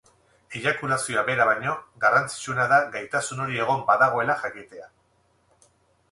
Eiakulazioa bera baino, garrantzitsuena da gaitasun hori egon badagoela jakitea.